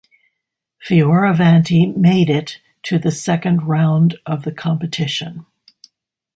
Fioravanti made it to the second round of the competition.